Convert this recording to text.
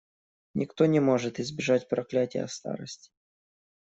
Никто не может избежать проклятия старости.